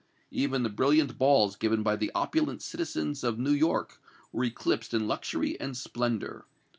Even the brilliant balls given by the opulent citizens of New York were eclipsed in luxury and splendor.